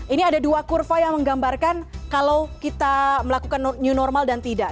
ini ada dua kurva yang menggambarkan kalau kita melakukan new normal dan tidak